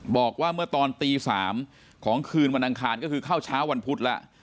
บอกว่าเมื่อตอนตี๓ของคืนวันอังคารก็คือเข้าเช้าวันพุธแล้ว